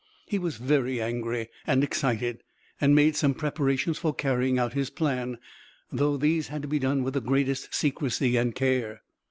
He was very angry and excited, and made some preparations for carrying out his plan, though these had to be done with the greatest secrecy and care.